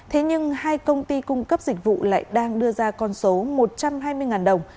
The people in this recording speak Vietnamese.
thế nhưng hai công ty cung cấp dịch vụ lại đang đưa ra con số một trăm hai mươi đồng